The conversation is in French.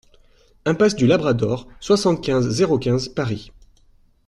Impasse du Labrador, soixante-quinze, zéro quinze Paris